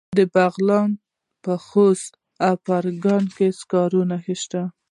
د بغلان په خوست او فرنګ کې سکاره شته.